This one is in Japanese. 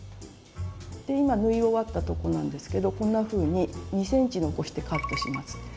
今縫い終わったとこなんですけどこんなふうに２ｃｍ残してカットします。